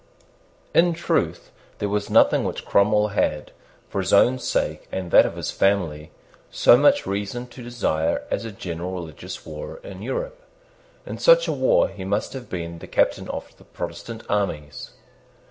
In truth, there was nothing which Cromwell had, for his own sake and that of his family, so much reason to desire as a general religious war in Europe. In such a war he must have been the captain of the Protestant armies.